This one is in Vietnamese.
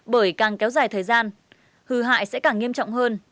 bởi càng kéo dài thời gian hư hại sẽ càng nghiêm trọng hơn